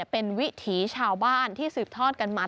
เป็นวิถีชาวบ้านที่สืบทอดกันมา